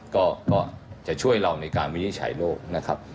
ก็จะช่วยเราในการวินิจฉัยโลกนะครับ